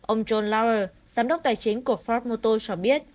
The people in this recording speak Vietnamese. ông john lauer giám đốc tài chính của ford motor cho biết